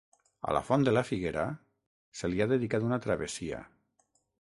A la Font de la Figuera se li ha dedicat una Travessia.